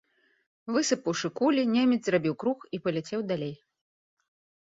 Высыпаўшы кулі, немец зрабіў круг і паляцеў далей.